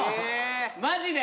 マジで？